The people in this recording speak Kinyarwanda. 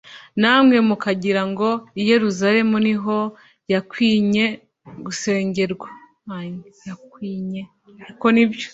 na mwe mukagira ngo i Yerusalemu ni ho hakwinye gusengemva."